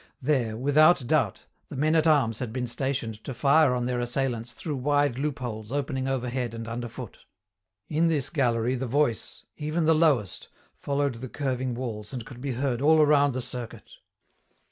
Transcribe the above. There, without doubt, the men at arms had been stationed to fire on their assailants through wide loopholes opening overhead and underfoot. In this gallery the voice, even the lowest, followed the curving walls and could be heard all around the circuit.